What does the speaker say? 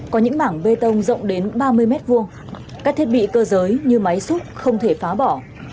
có những mảng bê tông rộng đến ba mươi m hai các thiết bị cơ giới như máy xúc không thể phá bỏ